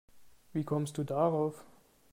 Wie kommst du darauf?